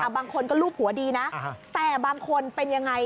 บางคนก็รูปหัวดีนะแต่บางคนเป็นยังไง